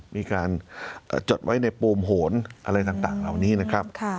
มีการจดไว้ในปูมโหนอะไรต่างเหล่านี้นะครับ